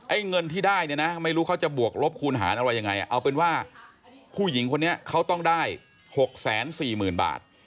เงินที่ได้เนี่ยนะไม่รู้เขาจะบวกลบคูณหารอะไรยังไงเอาเป็นว่าผู้หญิงคนนี้เขาต้องได้๖๔๐๐๐บาท